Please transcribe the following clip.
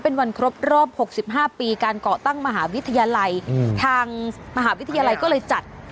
เป็นวันครบรอบ๖๕ปีการเกาะตั้งมหาวิทยาลัยทางมหาวิทยาลัยก็เลยจัด